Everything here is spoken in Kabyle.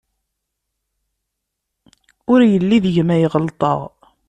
Ur yelli deg-m ay ɣelṭeɣ.